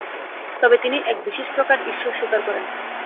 তবে তিনি এক বিশেষপ্রকার ঈশ্বর স্বীকার করেন।